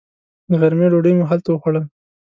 د غرمې ډوډۍ مو هلته وخوړل.